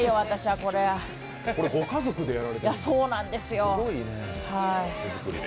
これご家族でやられてるの、すごいね。